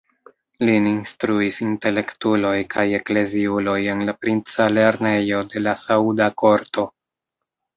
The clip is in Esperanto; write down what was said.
Lin instruis intelektuloj kaj ekleziuloj en la princa lernejo de la sauda korto.